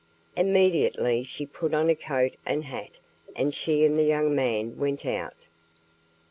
Immediately she put on a coat and hat and she and the young man went out.